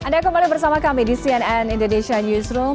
anda kembali bersama kami di cnn indonesia newsroom